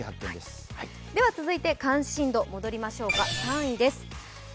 続いて関心度戻りましょうか３位です。